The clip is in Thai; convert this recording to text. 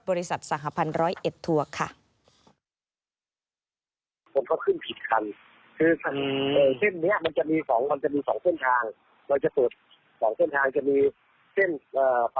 บริษัทสหพันธุ์๑๐๑ทัวร์ค่ะ